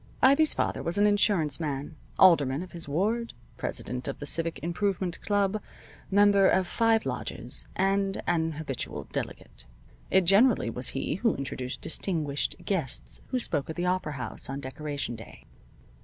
Ivy's father was an insurance man, alderman of his ward, president of the Civic Improvement club, member of five lodges, and an habitual delegate. It generally was he who introduced distinguished guests who spoke at the opera house on Decoration Day.